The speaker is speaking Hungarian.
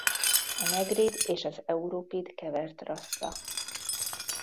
A negrid és az europid kevert rassza.